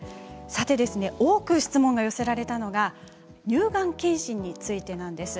さて多く質問が寄せられたのが乳がん検診についてなんです。